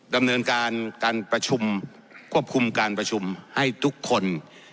ดำเนินการการประชุมควบคุมการประชุมให้ทุกคน